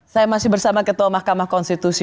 saya masih bersama ketua mahkamah konstitusi